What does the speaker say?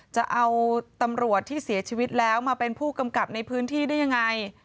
จะเอาตำรวจที่เสียชีวิตแล้วมาเป็นผู้กำกับในพื้นที่ได้ยังไง